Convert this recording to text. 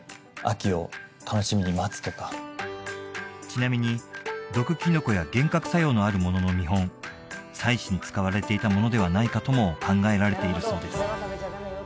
ちなみに毒キノコや幻覚作用のあるものの見本祭祀に使われていたものではないかとも考えられているそうです